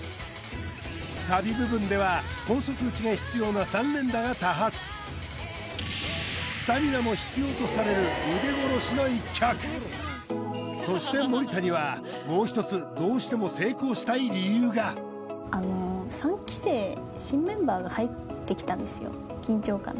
サビ部分では高速打ちが必要な３連打が多発スタミナも必要とされる腕殺しの１曲そして森田にはもう一つどうしてもあの３期生新メンバーが入ってきたんですよ